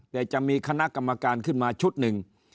แต่จะมีคณะกรรมการขึ้นมาชุดหนึ่ง